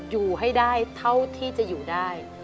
อยู่ให้ได้เท่าที่จะอยู่ได้